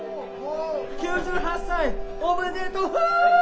９８歳おめでとフォ！